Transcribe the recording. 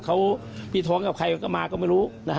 เค้าพิท้องกับใครก็มาก็ไม่รู้